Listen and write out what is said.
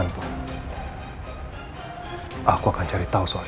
mohamad jangan sedih lagi ya